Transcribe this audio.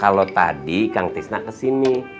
kalau tadi kang tisna kesini